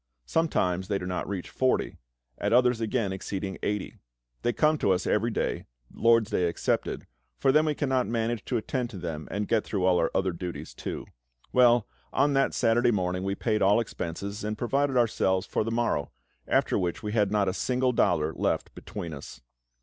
Sometimes they do not reach forty, at others again exceeding eighty. They come to us every day, LORD'S Day excepted, for then we cannot manage to attend to them and get through all our other duties too. Well, on that Saturday morning we paid all expenses, and provided ourselves for the morrow, after which we had not a single dollar left between us.